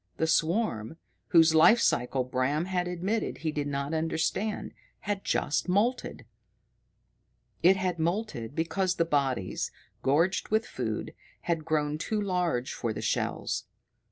The swarm, whose life cycle Bram had admitted he did not understand, had just moulted! It had moulted because the bodies, gorged with food, had grown too large for the shells.